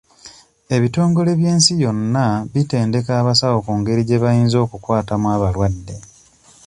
Ebitongole by'ensi yonna bitendeka abasawo ku ngeri gye bayinza okukwatamu abalwadde.